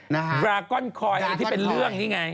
รากอนคอยอะไรที่เป็นเรื่องนี่ไง